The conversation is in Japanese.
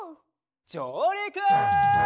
じょうりく！